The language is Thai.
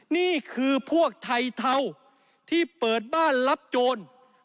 นี่คือพวกไทยเทาที่เปิดบ้านรับโจร